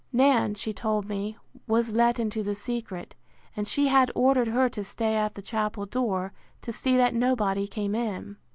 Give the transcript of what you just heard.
Nan, she told me, was let into the secret; and she had ordered her to stay at the chapel door, to see that nobody came in.